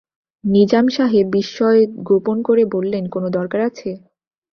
নিজাম সাহেব বিস্ময় গোপন করে বললেন, কোনো দরকার আছে?